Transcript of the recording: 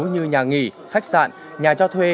như nhà nghỉ khách sạn nhà cho thuê